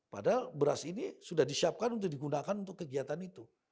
padahal beras ini sudah disiapkan untuk digunakan untuk kegiatan itu